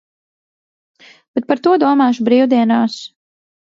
Bet par to domāšu brīvdienās.